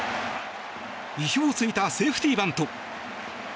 意表を突いたセーフティーバント。